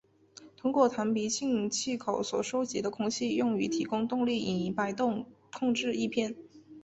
通过弹鼻进气口所收集的空气用于提供动力以摆动控制翼片。